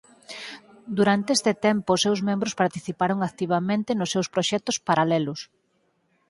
Durante este tempo os seus membros participaron activamente nos seus proxectos paralelos.